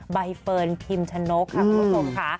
ใบเฟิร์นพิมชะนกค่ะคุณผู้ชมค่ะ